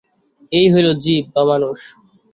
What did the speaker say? এই হইল জীব বা মানুষ।